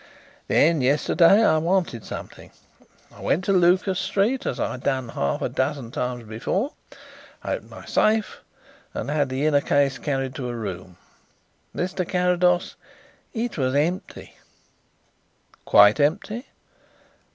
Then, yesterday, I wanted something. I went to Lucas Street, as I had done half a dozen times before, opened my safe, and had the inner case carried to a room.... Mr. Carrados, it was empty!" "Quite empty?"